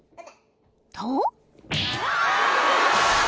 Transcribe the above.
［と］